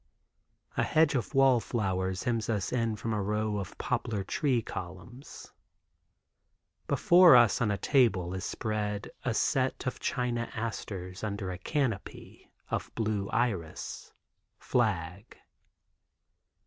A hedge of "wall"flower hems us in from a row of poplar tree columns. Before us on a table is spread a set of "China" asters under a canopy of blue iris (flag).